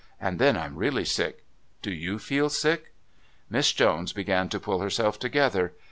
And then I'm really sick. Do you feel sick?" Miss Jones began to pull herself together.